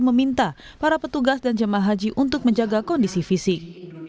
meminta para petugas dan jemaah haji untuk menjaga kondisi fisik